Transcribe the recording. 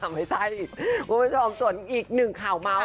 ไม่ใช่คุณผู้ชมส่วนอีกหนึ่งข่าวเมาส์